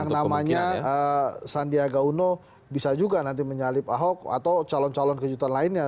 yang namanya sandiaga uno bisa juga nanti menyalip ahok atau calon calon kejutan lainnya